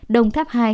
đồng tháp hai